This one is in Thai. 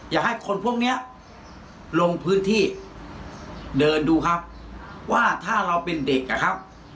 อยากให้คนพวกเนี้ยลงพื้นที่เดินดูครับว่าถ้าเราเป็นเด็กอ่ะครับ